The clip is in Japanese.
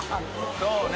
そうね。